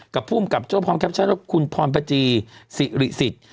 กับผู้อำกับโจ้พรพจีสิริสิทธิ์